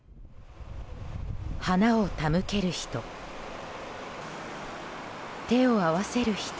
花を手向ける人。